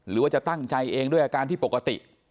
หรือว่าจะตั้งใจเองด้วยอาการที่ปกติ